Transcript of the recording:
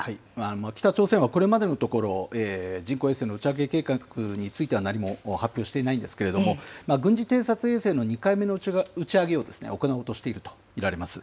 北朝鮮はこれまでのところ、人工衛星の打ち上げ計画については何も発表していないんですけれども、軍事偵察衛星の２回目の打ち上げを行おうとしていると見られます。